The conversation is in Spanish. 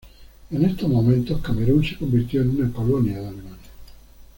En estos momentos Camerún se convirtió en una colonia de Alemania.